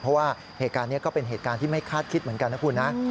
เพราะว่าเหตุการณ์นี้ก็เป็นเหตุการณ์ที่ไม่คาดคิดเหมือนกันนะคุณนะ